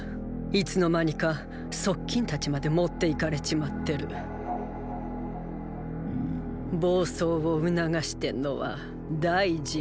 いつの間にか側近たちまで持っていかれちまってる暴走を促してんのは大臣虎歴だ。